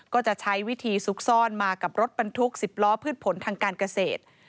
ก็จะใช้วิธีซุกซ่อนมากับรถบรรทุก๑๐ล้อพืชผลทางการเกษตร